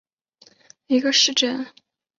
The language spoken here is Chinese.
萨勒河畔萨尔是德国巴伐利亚州的一个市镇。